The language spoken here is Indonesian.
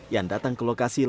yang datang ke lokasi lain